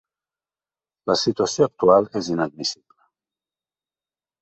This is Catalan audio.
La situació actual és inadmissible.